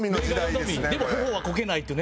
でも頬はこけないっていうね